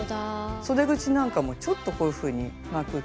そで口なんかもちょっとこういうふうにまくって。